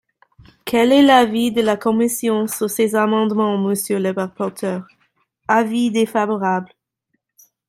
Quel est l’avis de la commission sur ces amendements, monsieur le rapporteur ? Avis défavorable.